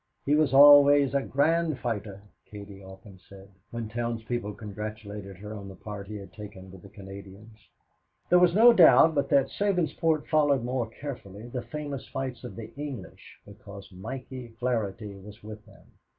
He was always a "grand fighter," Katie often said, when townspeople congratulated her on the part he had taken with the Canadians. There was no doubt but that Sabinsport followed more carefully the famous fights of the English because Mikey Flaherty was with them.